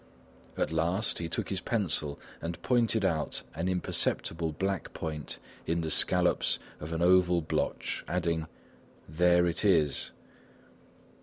At last, he took his pencil and pointed out an imperceptible black point in the scallops of an oval blotch, adding: "There it is."